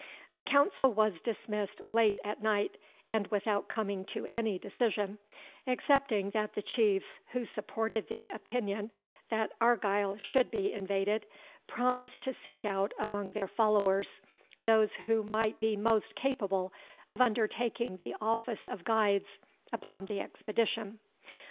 The council was dismissed late at night, and without coming to any decision, excepting that the Chiefs, who supported the opinion that Argyle should be invaded, promised to seek out among their followers those who might be most capable of undertaking the office of guides upon the expedition.